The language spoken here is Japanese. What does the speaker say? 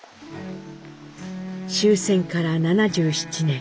終戦から７７年。